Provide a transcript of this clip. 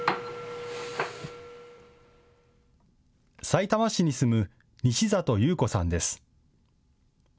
さいたま市に住む西里優子さんです。